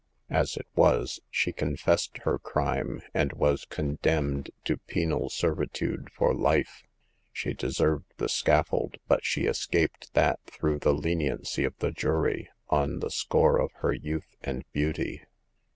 As it was, she confessed her crime, and was condemned to penal servitude for life. She deserved the scaffold, but she escaped that through the leniency of the jury, on the score of her youth and beauty.